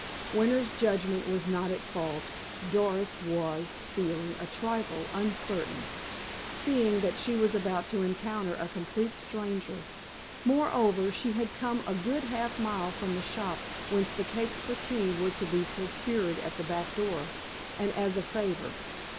Winter's judgment was not at fault. Doris was feeling a trifle uncertain, seeing that she was about to encounter a complete stranger. Moreover, she had come a good half mile from the shop whence the cakes for tea were to be procured at the back door, and as a favor.